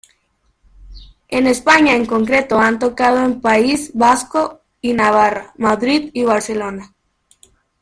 En España en concreto han tocado en País Vasco y Navarra, Madrid y Barcelona.